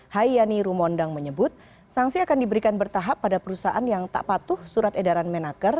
hai yani rumondang menyebut sanksi akan diberikan bertahap pada perusahaan yang tak patuh surat edaran menaker